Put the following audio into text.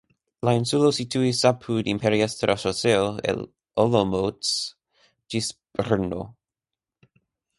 La insulo situis apud imperiestra ŝoseo el Olomouc ĝis Brno.